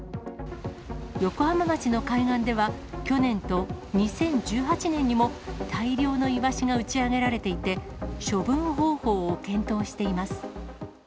横浜町の海岸では、去年と２０１８年にも、大量のイワシが打ち上げられていて、処分方法を検討しています。